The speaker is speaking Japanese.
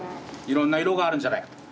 いろんな色があるんじゃないかと。